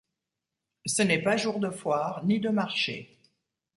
Ce n’est pas jour de foire ni de marché.